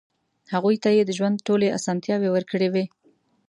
هغوی ته يې د ژوند ټولې اسانتیاوې ورکړې وې.